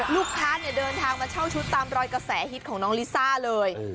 ลูกค้าเนี่ยเดินทางมาเช่าชุดตามรอยกระแสฮิตของน้องลิซ่าเลย